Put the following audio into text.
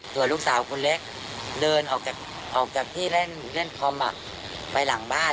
ส่วนลูกสาวคนเล็กเดินออกจากที่เล่นคอมไปหลังบ้าน